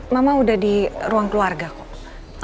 mama udah di ruang keluarga kok